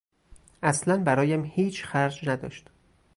اصلا برایم هیچ خرج نداشت.